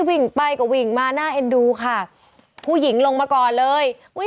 วิ่งไปก็วิ่งมาน่าเอ็นดูค่ะผู้หญิงลงมาก่อนเลยอุ้ย